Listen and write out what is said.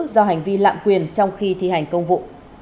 do hành vi lạm quyền trong khi thi hành công vụ